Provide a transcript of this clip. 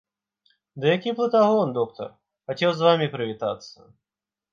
Ды які плытагон доктар, хацеў з вамі прывітацца.